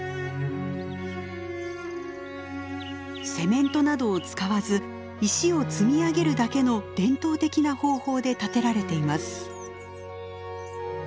セメントなどを使わず石を積み上げるだけの伝統的な方法で建てられています。